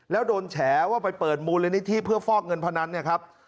แล้วโดนแฉว่าไปเปิดมูลนิธิเพื่อฟอกเงินพนันเนี่ยครับ